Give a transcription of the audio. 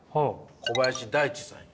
小林大地さんや。